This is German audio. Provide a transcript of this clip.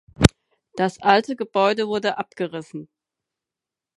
Das alte Gebäude wurde abgerissen.